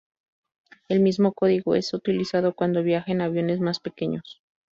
El mismo código es utilizado cuando viaja en aviones más pequeños.